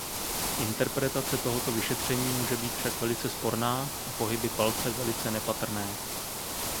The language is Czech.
Interpretace tohoto vyšetření může být však velice sporná a pohyby palce velice nepatrné.